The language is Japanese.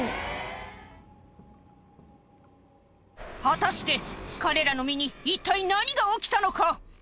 果たして彼らの身に一体何が起きたのか？